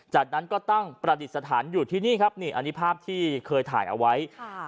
จากนั้นก็ตั้งประดิษฐานอยู่ที่นี่ครับนี่อันนี้ภาพที่เคยถ่ายเอาไว้